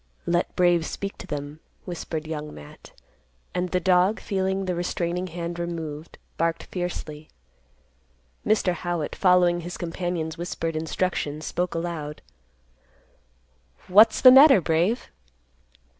"Let Brave speak to them," whispered Young Matt; and the dog, feeling the restraining hand removed, barked fiercely. Mr. Howitt, following his companion's whispered instructions, spoke aloud, "What's the matter, Brave?"